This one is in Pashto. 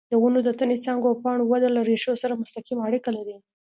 د ونو د تنې، څانګو او پاڼو وده له ریښو سره مستقیمه اړیکه لري.